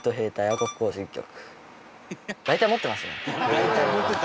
大体持ってますね。